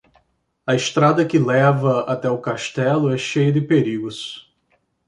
A estrada que leva até o castelo é cheia de perigos